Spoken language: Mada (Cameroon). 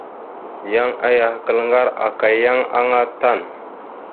Yan ayakal ŋgar aka yan aŋa tan.